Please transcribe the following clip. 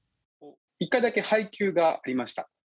１回だけ配給がありました。